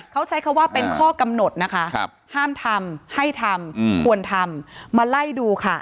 เขาใช้คำว่าเป็นข้อกำหนดนะคะห้ามทำให้ทำควรทำมาไล่ดูค่ะ